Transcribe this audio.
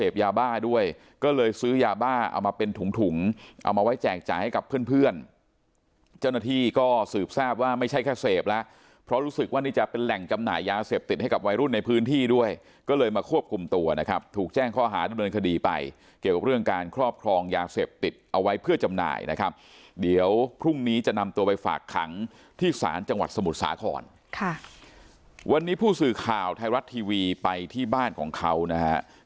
เพราะรู้สึกว่านี่จะเป็นแหล่งจำหน่ายยาเสพติดให้กับวัยรุ่นในพื้นที่ด้วยก็เลยมาควบคุมตัวนะครับถูกแจ้งข้อหาระเบินคดีไปเกี่ยวกับเรื่องการครอบครองยาเสพติดเอาไว้เพื่อจำหน่ายนะครับเดี๋ยวพรุ่งนี้จะนำตัวไปฝากขังที่สารจังหวัดสมุทรสาขอนค่ะวันนี้ผู้สื่อข่าวไทยรัตน์ทีวีไปที่บ้านของเขานะ